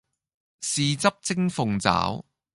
豉汁蒸鳳爪